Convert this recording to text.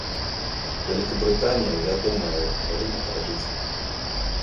Вялікабрытанія вядомая як краіна традыцый.